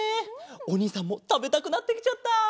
おにいさんもたべたくなってきちゃった。